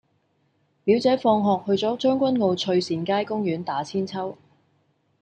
表姐放學去左將軍澳翠善街公園打韆鞦